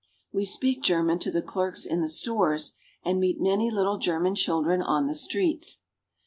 We speak German to the clerks in the stores, and meet many little German children on the streets.